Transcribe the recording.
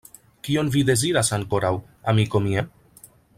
Kion vi deziras ankoraŭ, amiko mia?